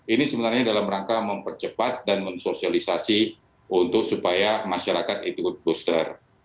ini sebenarnya dalam rangka mempercepat dan mensosialisasi untuk supaya masyarakat ikut booster